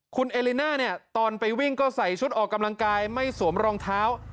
คุณเอลิน่าเนี่ยตอนไปวิ่งก็ใส่ชุดออกกำลังกายไม่สวมรองเท้า